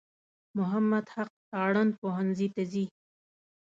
محمد حق تارڼ پوهنځي ته ځي.